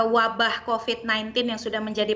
wabah covid sembilan belas yang sudah menjadi